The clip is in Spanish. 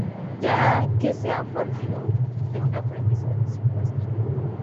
Ya que se ha partido de esa premisa supuesta.